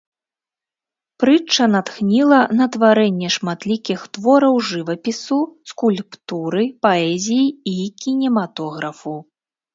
Прытча натхніла на тварэнне шматлікіх твораў жывапісу, скульптуры, паэзіі і кінематографу.